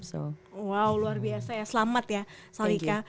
wow luar biasa ya selamat ya salika